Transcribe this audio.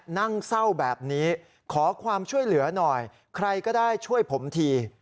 นั่งเศร้าแบบนี้ขอความช่วยเหลือหน่อยใครก็ได้ช่วยผมที